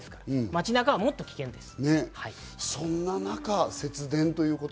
街中はもっと危険です。